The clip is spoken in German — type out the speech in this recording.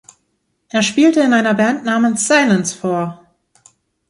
Er spielte in einer Band namens "„Silence“" vor.